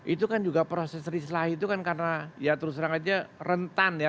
itu kan juga proses rislah itu kan karena ya terus terang aja rentan ya